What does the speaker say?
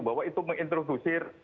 bahwa itu menginterusir